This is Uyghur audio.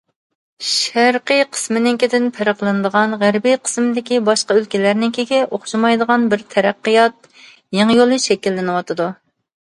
شەرقىي قىسىمنىڭكىدىن پەرقلىنىدىغان، غەربىي قىسىمدىكى باشقا ئۆلكىلەرنىڭكىگە ئوخشىمايدىغان بىر تەرەققىيات يېڭى يولى شەكىللىنىۋاتىدۇ.